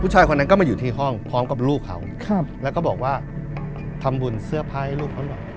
ผู้ชายคนนั้นก็มาอยู่ที่ห้องพร้อมกับลูกเขาแล้วก็บอกว่าทำบุญเสื้อผ้าให้ลูกเขาหน่อย